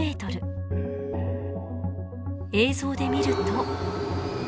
映像で見ると。